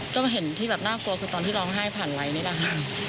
ก็เห็นที่แบบน่ากลัวคือตอนที่ร้องไห้ผ่านไลค์นี่แหละค่ะ